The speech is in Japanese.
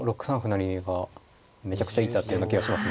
成がめちゃくちゃいい手だったような気がしますね。